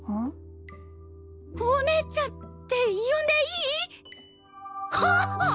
おねえちゃんって呼んでいい？はっ！